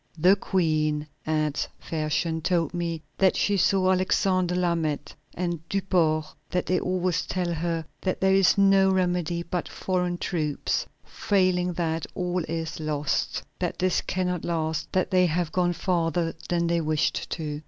"The Queen," adds Fersen, "told me that she saw Alexander Lameth and Duport; that they always tell her that there is no remedy but foreign troops; failing that, all is lost, that this cannot last, that they have gone farther than they wished to.